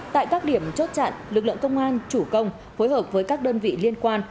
tại các điểm chốt chặn lực lượng công an chủ công phối hợp với các đơn vị liên quan